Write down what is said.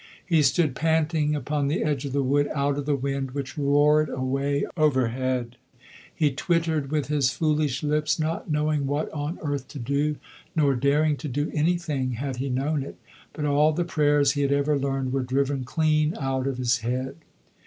He stood panting upon the edge of the wood, out of the wind, which roared away overhead. He twittered with his foolish lips, not knowing what on earth to do, nor daring to do anything had he known it; but all the prayers he had ever learned were driven clean out of his head.